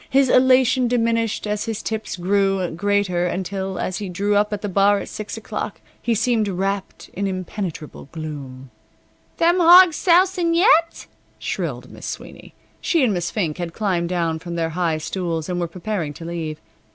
His elation diminished as his tips grew greater until, as he drew up at the bar at six o'clock, he seemed wrapped in impenetrable gloom. "Them hawgs sousin' yet?" shrilled Miss Sweeney. She and Miss Fink had climbed down from their high stools, and were preparing to leave.